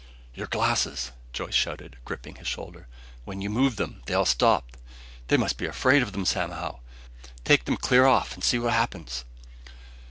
"Your glasses!" Joyce shouted, gripping his shoulder. "When you moved them, they all stopped! They must be afraid of them, somehow. Take them clear off and see what happens."